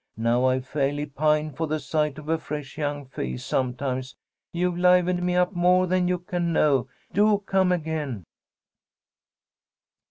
Now I fairly pine for the sight of a fresh young face sometimes. You've livened me up more than you can know. Do come again!"